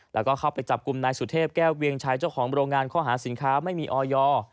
แล้วก็เข้าไปจับกลุ่มนายสุเทพแก้วเวียงชัยเจ้าของโรงงานข้อหาสินค้าไม่มีออยอร์